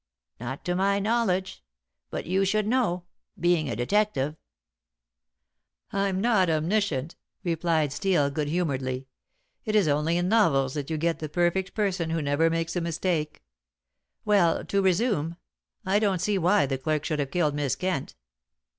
"Not to my knowledge. But you should know, being a detective." "I'm not omniscient," replied Steel good humoredly; "it is only in novels that you get the perfect person who never makes a mistake. Well, to resume. I don't see why the clerk should have killed Miss Kent."